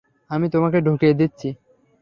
আমি তোমাকে ঢুকিয়ে দিচ্ছি।